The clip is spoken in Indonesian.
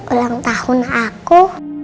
ulang tahun aku